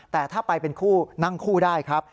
แต่ถ้าไปเป็นคู่นั่งคู่ได้ครับ